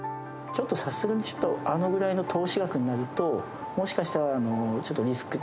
さすがにちょっとあのぐらいの投資額になるともしかしたら。